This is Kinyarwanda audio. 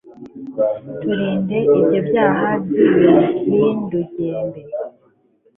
turinde ibyo byaha by'ibihindugembe